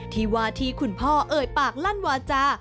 ที่วาทีคุณพ่อเอ่ยปากลั่นวาจา